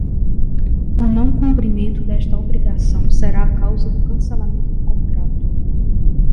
O não cumprimento desta obrigação será a causa do cancelamento do contrato.